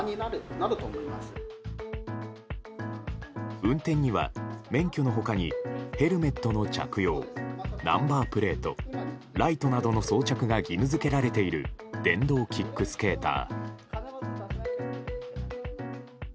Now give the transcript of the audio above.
運転には免許の他にヘルメットの着用ナンバープレートライトなどの装着が義務付けられている電動キックスケーター。